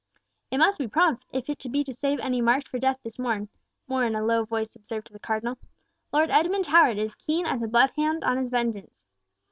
"It must be prompt, if it be to save any marked for death this morn," More in a how voice observed to the Cardinal. "Lord Edmund Howard is keen as a blood hound on his vengeance."